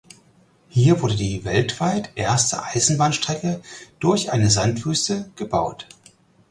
Hier wurde die weltweit erste Eisenbahnstrecke durch eine Sandwüste gebaut.